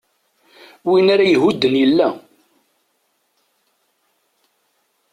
Win ara ihudden yella.